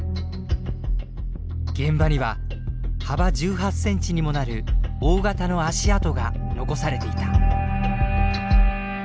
現場には幅１８センチにもなる大型の足跡が残されていた。